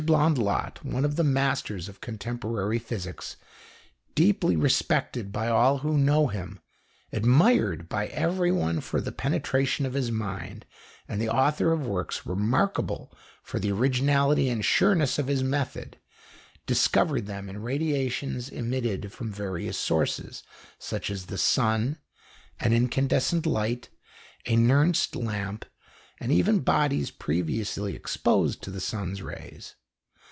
Blondlot, one of the masters of contemporary physics, deeply respected by all who know him, admired by everyone for the penetration of his mind, and the author of works remarkable for the originality and sureness of his method, discovered them in radiations emitted from various sources, such as the sun, an incandescent light, a Nernst lamp, and even bodies previously exposed to the sun's rays.